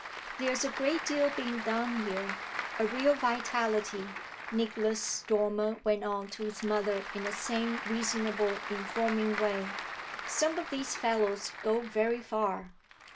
"There's a great deal being done here a real vitality," Nicholas Dormer went on to his mother in the same reasonable informing way. "Some of these fellows go very far."